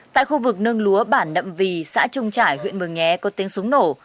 tại khu vực nương lúa bản nậm vì xã trung trải huyện mường nhé có tiếng súng nổ